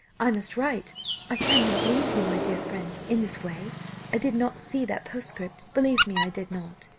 I must write. I cannot leave you, my dear friends, in this way. I did not see that postscript, believe me I did not."